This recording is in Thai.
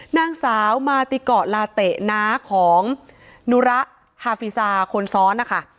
นางสาวมาติเกาะลาเตะน้าของนุระฮาฟีซาคนซ้อนนะคะ